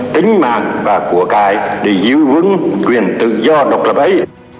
tính mạng và của cái để giữ vững quyền tự do độc lập ấy